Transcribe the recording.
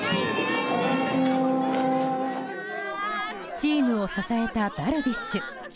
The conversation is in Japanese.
チームを支えたダルビッシュ。